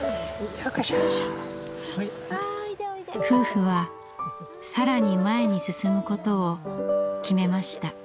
夫婦は更に前に進むことを決めました。